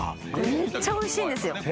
めっちゃおいしいんですよ。